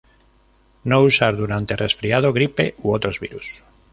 No usar durante resfriado, gripe u otro virus.